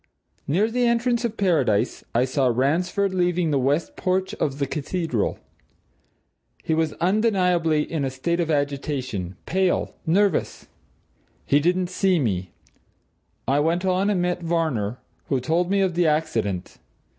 Near the entrance of Paradise, I saw Ransford leaving the west porch of the Cathedral. He was undeniably in a state of agitation pale, nervous. He didn't see me. I went on and met Varner, who told me of the accident.